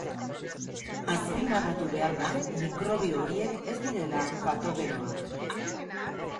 Azpimarratu behar da mikrobio horiek ez direla patogenoak.